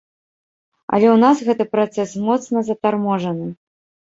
Але ў нас гэты працэс моцна затарможаны.